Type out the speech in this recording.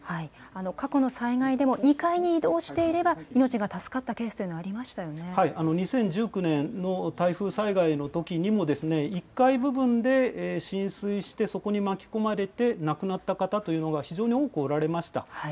過去の災害でも、２階に移動していれば、命が助かったケース２０１９年の台風災害のときにも、１階部分で浸水して、そこに巻き込まれて亡くなった方というのが、非常に多くおられました。